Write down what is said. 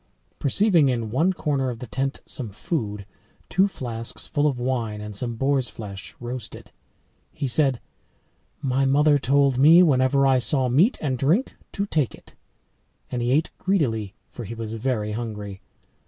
Perceiving in one corner of the tent some food, two flasks full of wine, and some boar's flesh roasted, he said, "My mother told me, whenever I saw meat and drink to take it." And he ate greedily, for he was very hungry.